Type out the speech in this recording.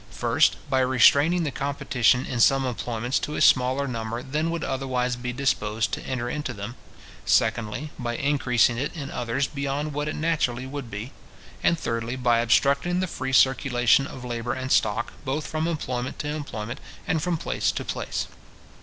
First, by restraining the competition in some employments to a smaller number than would otherwise be disposed to enter into them; secondly, by increasing it in others beyond what it naturally would be; and, thirdly, by obstructing the free circulation of labour and stock, both from employment to employment, and from place to place.